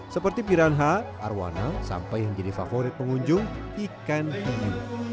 seperti piranha arowana sampai yang jadi favorit pengunjung ikan ini